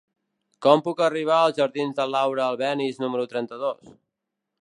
Com puc arribar als jardins de Laura Albéniz número trenta-dos?